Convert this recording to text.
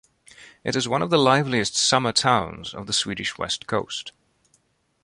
It is one of the liveliest "summer towns" of the Swedish west coast.